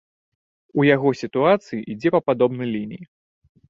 У яго сітуацыя ідзе па падобнай лініі.